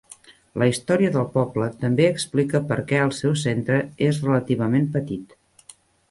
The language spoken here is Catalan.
La història del poble també explica per què el seu centre és relativament petit.